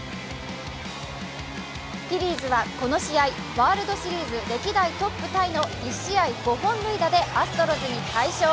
フィリーズはこの試合、ワールドシリーズ歴代トップタイの１試合５本塁打でアストロズに快勝。